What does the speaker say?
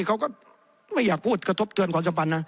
เขาก็ไม่อยากพูดกระทบเตือนความสัมพันธ์นะ